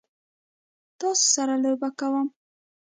تاسو سره لوبه کوم؟